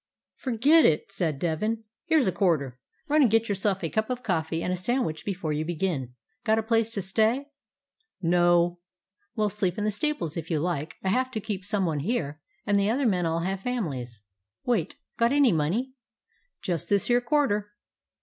"Forget it," said Devin. "Here's a quar ter. Run and get yourself a cup of coffee and a sandwich before you begin. Got a place to stay?" A BROOKLYN DOG "No." "Well, sleep in the stables if you like. I have to keep some one here, and the other men all have families. Wait. Got any money?" "Just this here quarter."